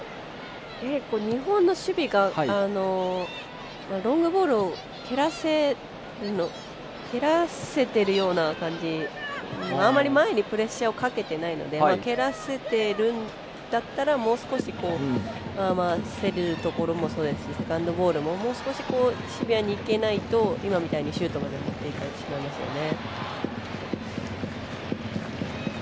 日本の守備がロングボールを蹴らせてるような感じであまり、前にプレッシャーをかけてないので蹴らせてるんだったらもう少し競るところもそうですしセカンドボールももう少し、シビアにいけないと今みたいにシュートを持っていかれてしまいますね。